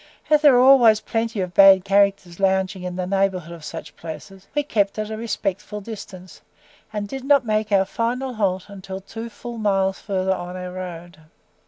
As there are always plenty of bad characters lounging in the neighbourhood of such places, we kept at a respectful distance, and did not make our final halt till full two miles farther on our road.